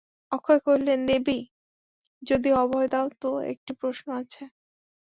অক্ষয় কহিলেন, দেবী, যদি অভয় দাও তো একটি প্রশ্ন আছে।